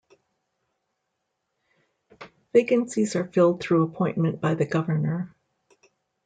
Vacancies are filled through appointment by the Governor.